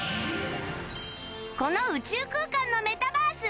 この宇宙空間のメタバース